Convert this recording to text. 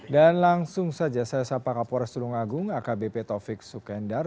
dan langsung saja saya sapa kapolres tulungagung akbp taufik sukendar